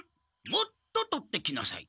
もっととってきなさい！